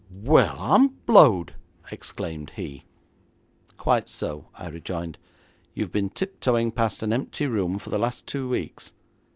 'Well, I'm blowed!' exclaimed he. 'Quite so,' I rejoined, 'you've been tiptoeing past an empty room for the last two weeks.